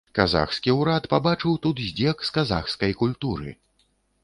Казахскі ўрад пабачыў тут здзек з казахскай культуры.